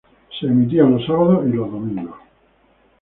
Se emitían los sábados y los domingos.